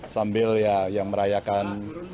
sambil ya yang merayakan